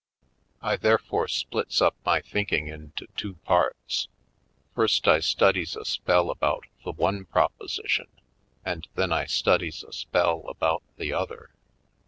I therefore splits up my thinking into two parts; first I studies a spell about the one proposition and then I studies a spell about the other.